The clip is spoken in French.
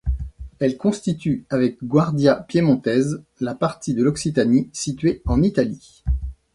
Elles constituent avec Guardia Piemontese la partie de l’Occitanie située en Italie.